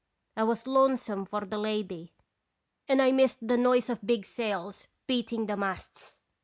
I was lonesome for the lady, and I missed the noise of big sails beating the masts.